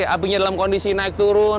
apinya dalam kondisi naik turun